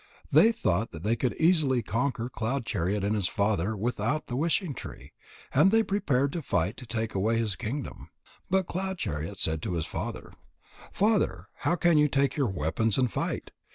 They thought that they could easily conquer Cloud chariot and his father without the wishing tree, and they prepared to fight to take away his kingdom. But Cloud chariot said to his father: "Father, how can you take your weapons and fight?